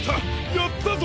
やったぞ！